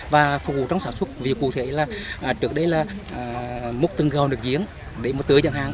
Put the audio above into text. và phục vụ trong sản xuất vì cụ thể là trước đây là một từng gầu được diễn để một tứa chẳng hạn